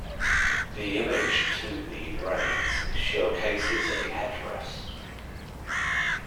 The image to the right showcases a headrest.